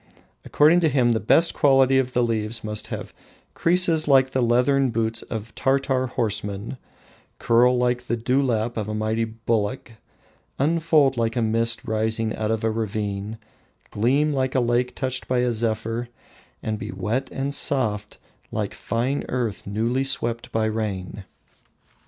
According to him the best quality of the leaves must have "creases like the leathern boot of Tartar horsemen, curl like the dewlap of a mighty bullock, unfold like a mist rising out of a ravine, gleam like a lake touched by a zephyr, and be wet and soft like fine earth newly swept by rain."